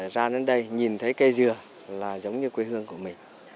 ra đến đây nhìn thấy cây dừa là giống như quê hương của mình